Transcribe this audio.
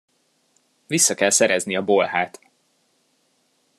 Vissza kell szerezni a bolhát!